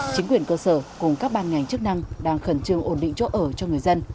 chính quyền cơ sở cùng các ban ngành chức năng đang khẩn trương ổn định chỗ ở cho người dân